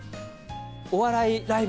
お笑いライブ。